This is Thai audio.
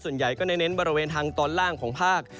ส่วนใหญ่ก็เน้นบริเวณทางตอนล่างของภาค